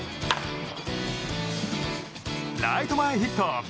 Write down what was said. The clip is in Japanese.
ライト前ヒット！